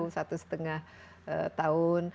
satu setengah tahun